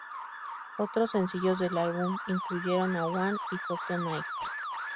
Otros sencillos del álbum incluyeron a "One" y "Tokyo Nights".